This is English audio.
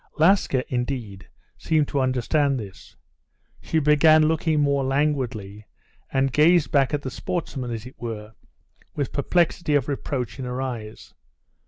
Laska, indeed, seemed to understand this. She began looking more languidly, and gazed back at the sportsmen, as it were, with perplexity or reproach in her eyes.